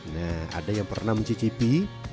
nah ada yang pernah mencicipi